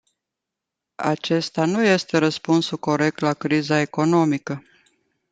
Acesta nu este răspunsul corect la criza economică.